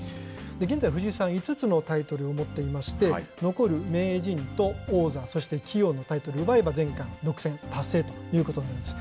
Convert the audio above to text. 現在、藤井さん、５つのタイトルを持っていまして、残る名人と王座、そして棋王のタイトルを奪えば全冠独占達成ということになります。